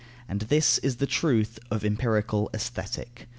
And this is the truth of empirical Aesthetic.